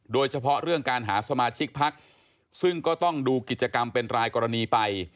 โดยเฉพาะเรื่องการหาสมาชิกพักซึ่งก็ต้องดูกิจกรรมเป็นรายกรณีไป